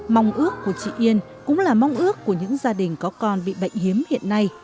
mong ước của chị yên cũng là mong ước của những gia đình có con bị bệnh hiếm hiện nay